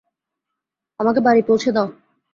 আমাকে বাড়ি পৌঁছে দাও।